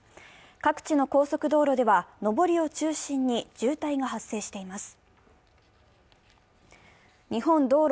各地の高速道路では上りを中心に渋滞が発生しています。